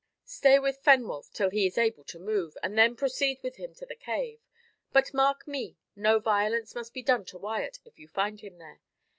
Stay with Fenwolf till he is able to move, and then proceed with him to the cave. But mark me, no violence must be done to Wyat if you find him there.